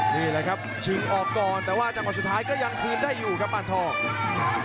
นี่แหละครับชิงออกก่อนแต่ว่าจังหวะสุดท้ายก็ยังคืนได้อยู่ครับปานทอง